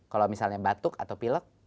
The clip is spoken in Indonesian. kalau misalnya batuk atau pilek